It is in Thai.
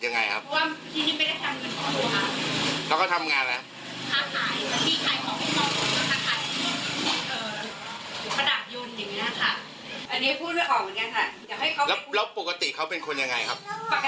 อย่างเรื่องนิสัยใจคออาลมไว้นะครับ